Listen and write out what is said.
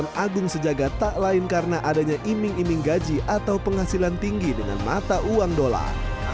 yang agung sejagat tak lain karena adanya iming iming gaji atau penghasilan tinggi dengan mata uang dolar